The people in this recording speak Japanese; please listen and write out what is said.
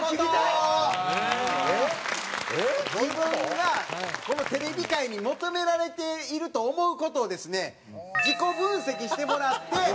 自分がこのテレビ界に求められていると思う事をですね自己分析してもらって。